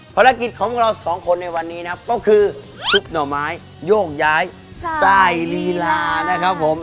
ภารกิจของเราสองคนในวันนี้นะครับก็คือซุปหน่อไม้โยกย้ายใต้ลีลานะครับผม